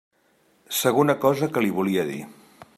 Segona cosa que li volia dir.